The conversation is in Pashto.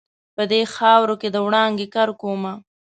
په دې خاورو کې د وړانګو کرکومه